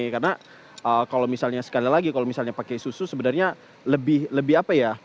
karena kalau misalnya sekali lagi kalau misalnya pakai susu sebenarnya lebih apa ya